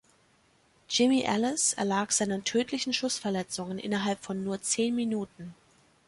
Jimmy Ellis erlag seinen tödlichen Schussverletzungen innerhalb von nur zehn Minuten.